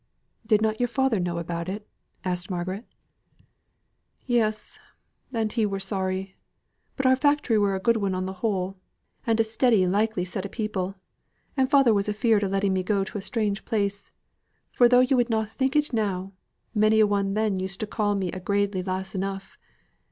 "Did not your father know about it?" asked Margaret. "Yes! And he was sorry. But our factory were a good one on the whole; and a steady likely set o' people; and father was afeard of letting me go to a strange place, for though yo' would na think it now, many a one then used to call me a gradely lass enough.